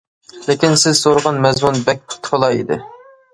لېكىن سىز سورىغان مەزمۇن بەك تولا ئىدى.